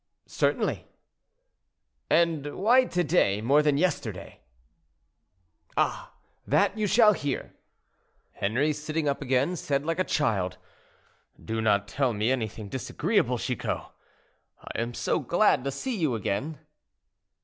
"Certainly." "And why to day more than yesterday?" "Ah! that you shall hear." Henri, sitting up again, said like a child, "Do not tell me anything disagreeable, Chicot; I am so glad to see you again."